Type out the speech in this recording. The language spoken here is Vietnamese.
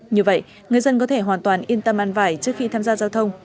như vậy người dân có thể hoàn toàn yên tâm an vải trước khi tham gia giao thông